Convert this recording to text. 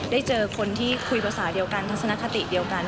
เจอคนที่คุยภาษาเดียวกันทัศนคติเดียวกัน